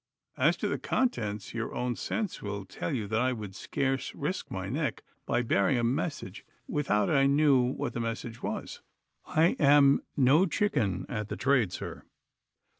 As to the contents, your own sense will tell you that I would scarce risk my neck by bearing a message without I knew what the message was. I am no chicken at the trade, sir.